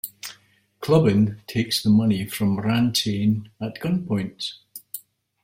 Clubin takes the money from Rantaine at gunpoint.